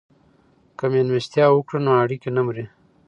که مېلمستیا وکړو نو اړیکې نه مري.